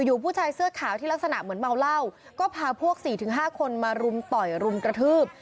อยู่ผู้ชายเสื้อขาวที่ลักษณะเหมือนเมาเหล้าก็พาพวกสี่ถึงห้าคนมารุมต่อยรุมกระทืบ